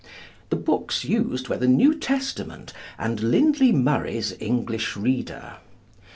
The books used were the New Testament and Lindley Murray's English Reader.